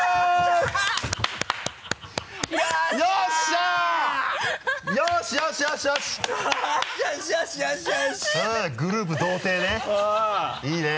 いいね。